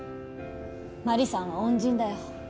マリさんは恩人だよ。